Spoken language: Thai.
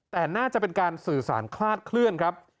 แต่น่าจะเป็นการสื่อสารคลาดเคลื่อนครับ